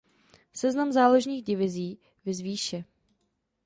Seznam záložních divizí viz výše.